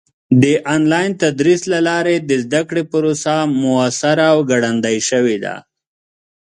د آنلاین تدریس له لارې د زده کړې پروسه موثره او ګړندۍ شوې ده.